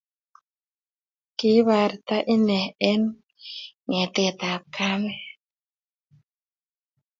Kiibarte inne eng ngetet ab kamet